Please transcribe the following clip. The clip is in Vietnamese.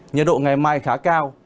nhật độ ngày mai khá cao